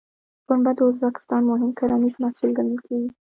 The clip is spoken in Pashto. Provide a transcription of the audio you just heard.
پنبه د ازبکستان مهم کرنیز محصول ګڼل کېږي.